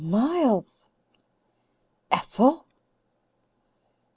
"Miles!" "Ethel!"